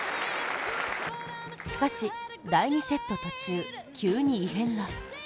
しかし、第２セット途中、急に異変が。